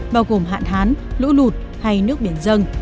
bao gồm hạn hán lũ lụt hay nước biển dân